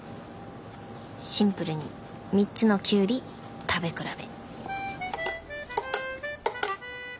シンプルに３つのキュウリ食べ比べ。